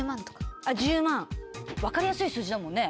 １０万分かりやすい数字だもんね。